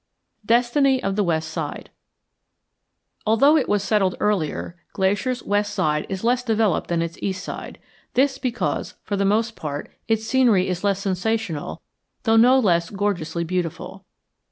DESTINY OF THE WEST SIDE Although it was settled earlier, Glacier's west side is less developed than its east side; this because, for the most part, its scenery is less sensational though no less gorgeously beautiful.